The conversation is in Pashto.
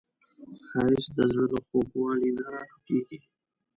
ښایست د زړه له خوږوالي نه راټوکېږي